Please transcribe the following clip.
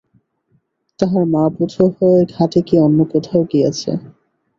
তাহার মা বোধ হয় ঘাটে কি অন্য কোথাও গিয়াছে।